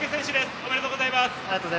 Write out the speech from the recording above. おめでとうございます。